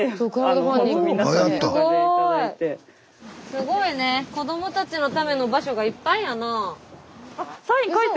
すごいね子どもたちのための場所がいっぱいやなあ。